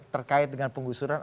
terkait dengan pengusuran